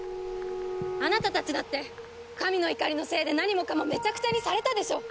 あなたたちだって神の怒りのせいで何もかもめちゃくちゃにされたでしょ？